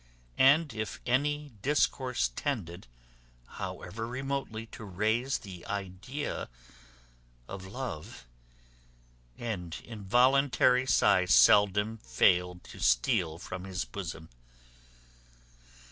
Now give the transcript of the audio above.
And if any discourse tended, however remotely, to raise the idea of love, an involuntary sigh seldom failed to steal from his bosom.